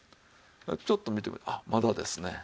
ちょっと見てみるあっまだですね。